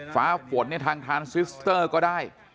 ฟ้าฝนทางทานซิสเตอร์ก็ได้